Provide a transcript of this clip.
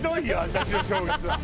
私の正月は。